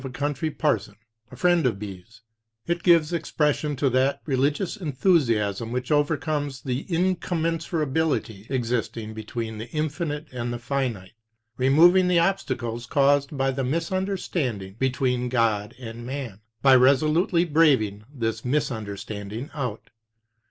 It gives expression to that religious enthusiasm which overcomes the incommen surability existing between the infinite and the finite, removing the obstacles caused by the misunderstanding between God and 20 man by resolutely braving this misunderstanding out.